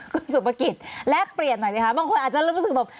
คุณสุปกิจและเปลี่ยนหน่อยนะคะบางคนอาจจะเริ่มรู้สึกว่า